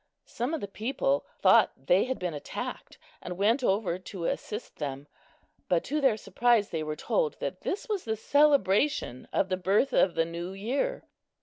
Some of the people thought they had been attacked, and went over to assist them, but to their surprise they were told that this was the celebration of the birth of the new year!